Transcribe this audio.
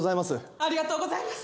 ありがとうございます！